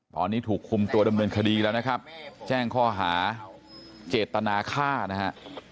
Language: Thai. ตอนนี้ถูกคุมตัวดำเนินคดีแล้วนะครับแจ้งข้อหาเจตนาฆ่านะฮะ